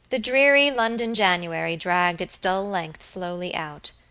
The dreary London January dragged its dull length slowly out.